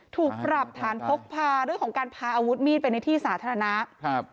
ถูกปรับฐานพกพาเรื่องของการพาอาวุธมีดไปในที่สาธารณะครับ